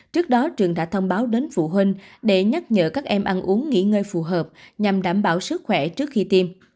trước đó trường đã thông báo đến phụ huynh để nhắc nhở các em ăn uống nghỉ ngơi phù hợp nhằm đảm bảo sức khỏe trước khi tiêm